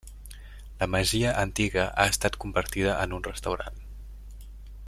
La masia antiga ha estat convertida en un restaurant.